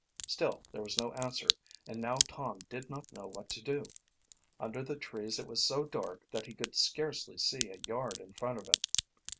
Still there was no answer, and now Tom did not know what to do. Under the trees it was so dark that he could scarcely see a yard in front of him.